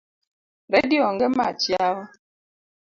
Redio onge mach yawa.